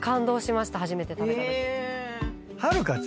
初めて食べたとき。